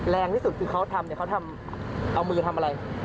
แรงที่สุดคือเขาทำเอามือทำอะไร